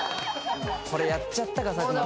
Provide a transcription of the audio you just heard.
これやっちゃったか佐久間さん